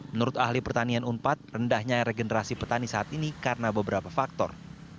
menurut ahli pertanian unpad rendahnya regenerasi petani saat ini karena beberapa faktor